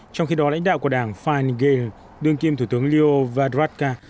trong khi đó lãnh đạo của đảng feingale đương kim thủ tướng leo varadkar